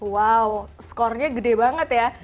wow skornya gede banget ya